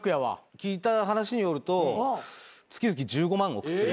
聞いた話によると月々１５万送ってる。